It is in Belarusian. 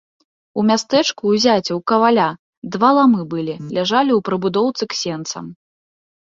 У мястэчку, у зяця, у каваля, два ламы былі, ляжалі ў прыбудоўцы к сенцам.